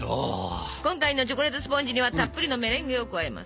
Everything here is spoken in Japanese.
今回のチョコレートスポンジにはたっぷりのメレンゲを加えます。